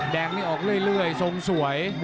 แดงนี่ออกเรื่อยทรงสวย